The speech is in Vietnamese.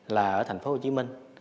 là ở thành phố hồ chí minh